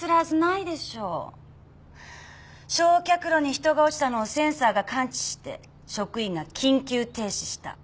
焼却炉に人が落ちたのをセンサーが感知して職員が緊急停止した。